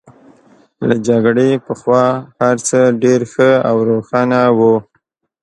له جګړې پخوا هرڅه ډېر ښه او روښانه وو